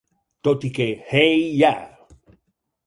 Tot i que Hey Ya!